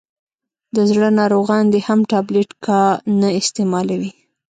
دزړه ناروغان دي هم ټابلیټ کا نه استعمالوي.